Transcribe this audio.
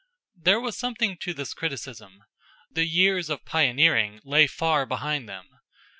There was something to this criticism. The years of pioneering lay far behind them.